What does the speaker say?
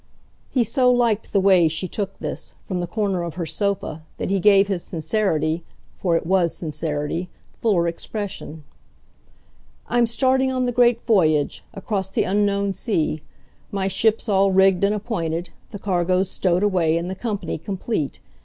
He so liked the way she took this, from the corner of her sofa, that he gave his sincerity for it WAS sincerity fuller expression. "I'm starting on the great voyage across the unknown sea; my ship's all rigged and appointed, the cargo's stowed away and the company complete.